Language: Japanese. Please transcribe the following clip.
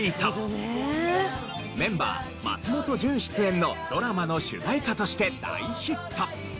メンバー松本潤出演のドラマの主題歌として大ヒット。